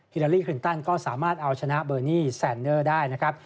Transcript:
ลาลีคลินตันก็สามารถเอาชนะเบอร์นี่แซนเนอร์ได้นะครับ